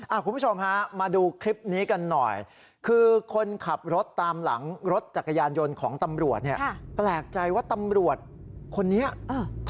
หาคุณผู้ชมฮะมาดูคลิปนี้กันหน่อยคือคนขับรถตามหลังรถ